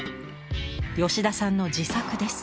吉田さんの自作です。